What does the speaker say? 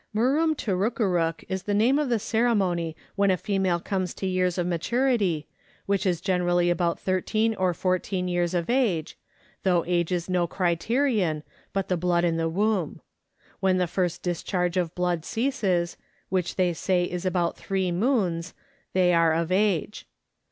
Murrum Turrukerook is the name of the ceremony when a female comes to years of maturity, which is generally about thirteen or fourteen years of age, though age is no criterion, but the blood in the womb; when the first discharge of blood ceases, which they say is about three moons, they are of age.